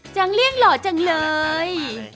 จางเลี้ยงหล่อจังเลย